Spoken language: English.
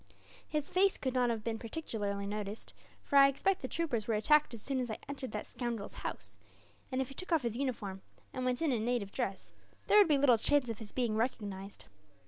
His face could not have been particularly noticed, for I expect the troopers were attacked as soon as I entered that scoundrel's house; and if he took off his uniform, and went in in native dress, there would be little chance of his being recognized.